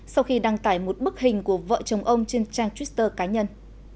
sau khi đăng tải một bức hình của vợ chồng ông trên trang twitter cá nhân